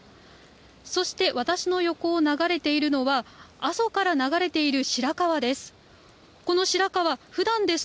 そして私の横を流れているのは、阿蘇から流れている白川です。